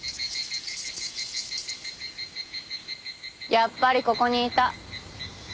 やっぱりここにいた。